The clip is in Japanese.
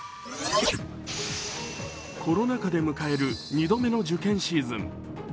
コロナ禍で迎える２度目の受験シーズン。